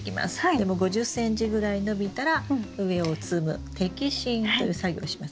でも５０ｃｍぐらい伸びたら上を摘む摘心という作業をします。